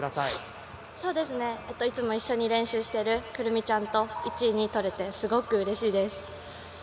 いつも一緒に練習してる、くる実ちゃんと１位２位とれてすごいうれしいです。